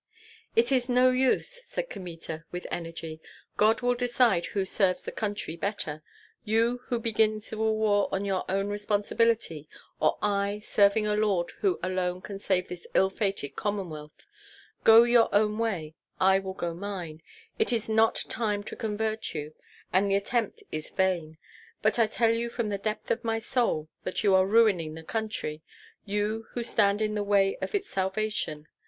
"It is no use," said Kmita, with energy. "God will decide who serves the country better, you who begin civil war on your own responsibility, or I, serving a lord who alone can save this ill fated Commonwealth. Go your own way, I will go mine. It is not time to convert you, and the attempt is vain; but I tell you from the depth of my soul that you are ruining the country, you who stand in the way of its salvation.